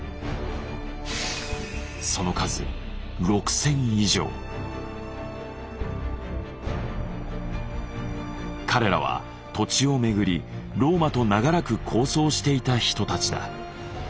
その数彼らは土地をめぐりローマと長らく抗争していた人たちだ。